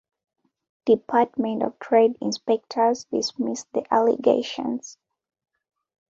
Department of Trade inspectors dismissed the allegations.